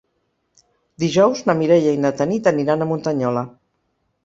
Dijous na Mireia i na Tanit aniran a Muntanyola.